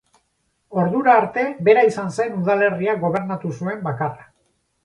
Ordura arte, bera izan zen udalerria gobernatu zuen bakarra.